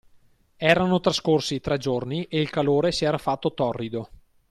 Erano trascorsi tre giorni e il calore si era fatto torrido.